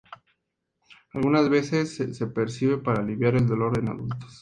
Algunas veces se prescribe para aliviar el dolor en adultos.